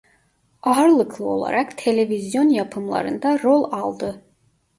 Ağırlıklı olarak televizyon yapımlarında rol aldı.